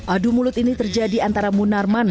adu mulut ini terjadi antara munarman